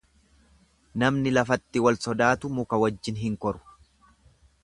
Namni lafatti walsodaatu muka wajjin hin koru.